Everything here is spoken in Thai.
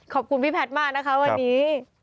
ขอบคุณพี่แพทย์มากนะคะวันนี้